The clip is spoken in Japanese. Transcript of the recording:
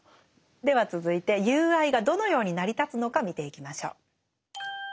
では続いて友愛がどのように成り立つのか見ていきましょう。